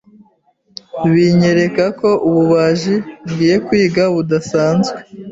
binyereka ko ububaji ngiye kwiga budasanzwe